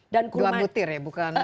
dua butir ya bukan